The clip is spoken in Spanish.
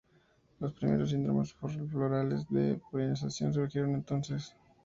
Los primeros síndromes florales de polinización surgieron entonces.